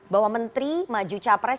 bahwa menteri maju capres